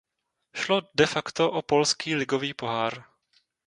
Šlo de facto o polský ligový pohár.